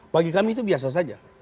bagi kami itu biasa saja